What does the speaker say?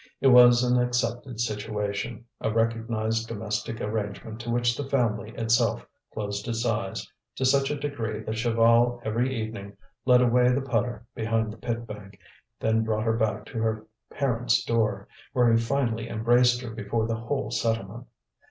It was an accepted situation, a recognized domestic arrangement to which the family itself closed its eyes to such a degree that Chaval every evening led away the putter behind the pit bank, then brought her back to her parents' door, where he finally embraced her before the whole settlement.